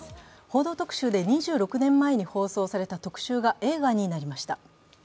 「報道特集」で２６年前に放送された特集が映画になりました。